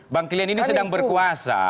bang klien ini sedang berkuasa